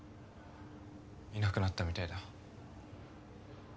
いなくなったみたいだ。